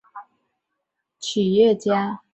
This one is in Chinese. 沈弼男爵是一位英国企业家。